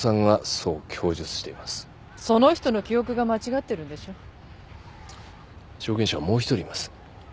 その人の記憶が間違ってるんでしょ証言者はもう１人います